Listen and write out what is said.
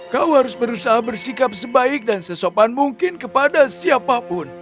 kau harus berusaha bersikap sebaik dan sesopan mungkin kepada siapapun